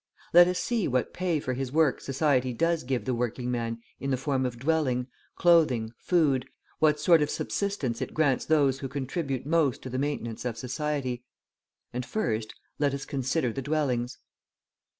Let us see what pay for his work society does give the working man in the form of dwelling, clothing, food, what sort of subsistence it grants those who contribute most to the maintenance of society; and, first, let us consider the dwellings.